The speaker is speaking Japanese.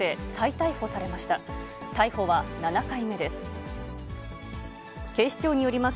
逮捕は７回目です。